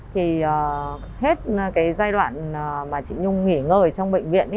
thì hết cái giai đoạn mà chị nhung nghỉ ngơi trong bệnh viện ấy